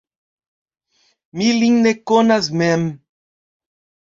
Mi lin ne konas mem!